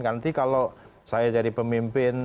nanti kalau saya jadi pemimpin